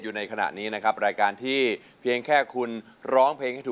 และท่านที่สองนะครับ